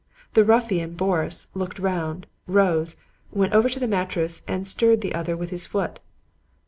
The ruffian, Boris, looked round, rose, went over to the mattress and stirred the other with his foot.